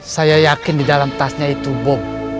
saya yakin di dalam tasnya itu bom